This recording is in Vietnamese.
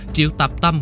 triệu tạp tâm